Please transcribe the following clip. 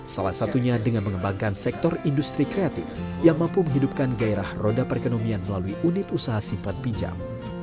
salah satunya dengan mengembangkan sektor industri kreatif yang mampu menghidupkan gairah roda perekonomian melalui unit usaha simpan pinjam